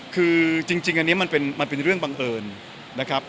คือจริงอันนี้มันเป็นเรื่องบังเอิญนะครับ